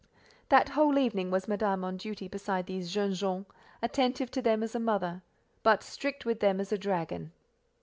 That whole evening was Madame on duty beside these "jeunes gens"—attentive to them as a mother, but strict with them as a dragon.